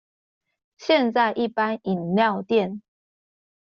現在一般飲料店